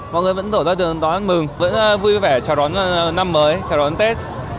mọi người vẫn đổ ra đường đón mừng vẫn vui vẻ chào đón năm mới chào đón tết